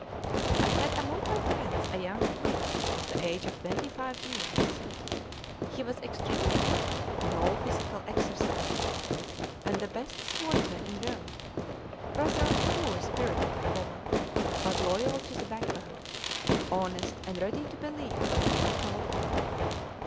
I had among my friends a young Greek of the age of twenty five years. He was extremely active in all physical exercises, and the best swordsman in Rome; rather poor spirited, however, but loyal to the backbone; honest, and ready to believe what people told him.